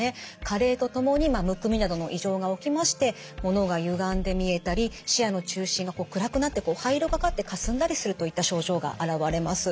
加齢とともにむくみなどの異常が起きましてものがゆがんで見えたり視野の中心が暗くなって灰色がかってかすんだりするといった症状が現れます。